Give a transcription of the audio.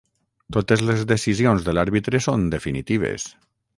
Totes les decisions de l'àrbitre són definitives.